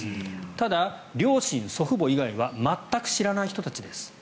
ただ、両親、祖父母以外は全く知らない人たちです。